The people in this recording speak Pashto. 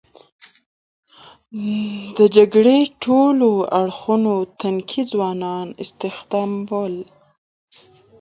د جګړې ټولو اړخونو تنکي ځوانان استخدامول.